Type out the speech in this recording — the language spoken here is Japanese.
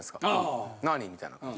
みたいな。